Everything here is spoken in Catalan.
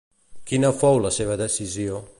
Quina fou la seva decisió?